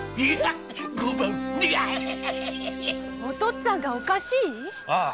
お父っつぁんがおかしい？